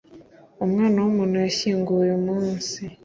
umwana w'umuntu yashyinguwe uyumunsi—